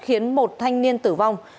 khiến một thanh niên tử vong